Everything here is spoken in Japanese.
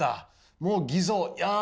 もう偽造やめた。